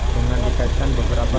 dengan dikaitkan beberapa